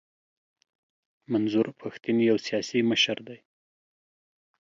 منظور پښتین یو سیاسي مشر دی.